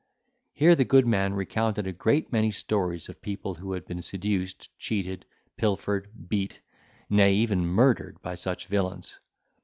Here the good man recounted a great many stories of people who has been seduced, cheated, pilfered, beat—nay, even murdered by such villains.